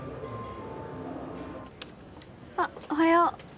あっおはよう。